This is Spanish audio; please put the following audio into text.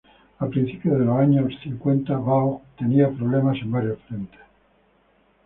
A principios de los años cincuenta Waugh tenía problemas en varios frentes.